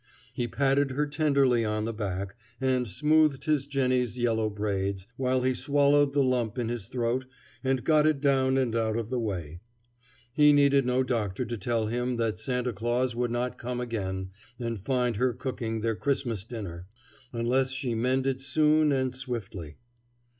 He patted her tenderly on the back and smoothed his Jennie's yellow braids, while he swallowed the lump in his throat and got it down and out of the way. He needed no doctor to tell him that Santa Claus would not come again and find her cooking their Christmas dinner, unless she mended soon and swiftly.